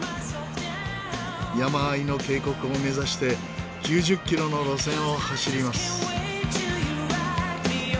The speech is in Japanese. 山あいの渓谷を目指して９０キロの路線を走ります。